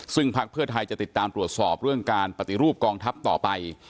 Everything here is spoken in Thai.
ซึ่งพักเพื่อไทยจะติดตามตรวจสอบเรื่องการปฏิรูปกองทัพต่อไป